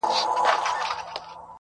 سپین اغوستي لکه بطه غوندي ښکلی،